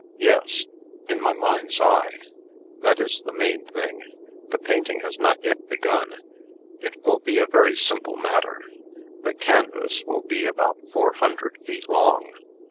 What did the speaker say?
"Yes in my mind's eye. That is the main thing. The painting has not yet been begun. It will be a very simple matter. The canvas will be about four hundred feet long.